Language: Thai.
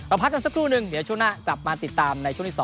พักกันสักครู่นึงเดี๋ยวช่วงหน้ากลับมาติดตามในช่วงที่๒